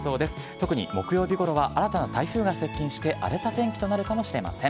特に木曜日ごろは、新たな台風が接近して、荒れた天気となるかもしれません。